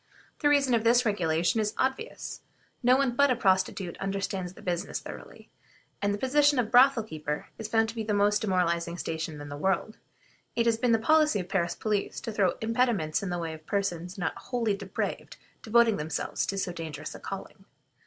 The reason of this regulation is obvious; no one but a prostitute understands the business thoroughly; and as the position of brothel keeper is found to be the most demoralizing station in the world, it has been the policy of the Paris police to throw impediments in the way of persons not wholly depraved devoting themselves to so dangerous a calling.